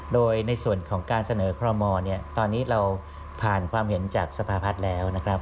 โดยในส่วนของการเสนอคอรมอลเนี่ยตอนนี้เราผ่านความเห็นจากสภาพัฒน์แล้วนะครับ